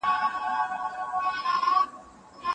قرآن کريم د ټولو علومو، حکمتونو او فضيلتونو سرچينه ده.